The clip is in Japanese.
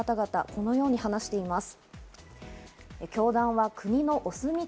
このように話しています。